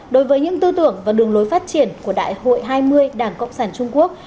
đối với những tư tưởng và đường lối phát triển của đại hội hai mươi đảng cộng sản trung quốc